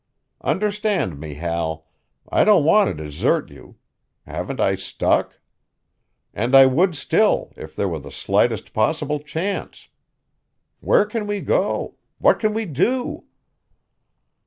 Understand me, Hal; I don't want to desert you; haven't I stuck? And I would still if there were the slightest possible chance. Where can we go? What can we do?"